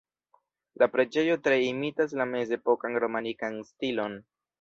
La preĝejo tre imitas la mezepokan romanikan stilon.